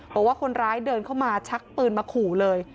บอกว่าคนร้ายเดินเข้ามาชักปืนมาขู่เลย